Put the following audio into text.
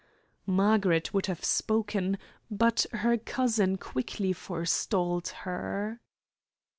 Margaret would have spoken, but her cousin quickly forestalled her.